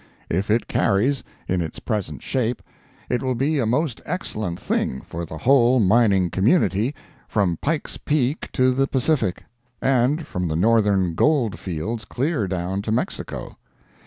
If it carries, in its present shape, it will be a most excellent thing for the whole mining community, from Pike's Peak to the Pacific, and from the northern gold fields clear down to Mexico.